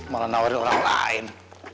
malah nawarin orang lain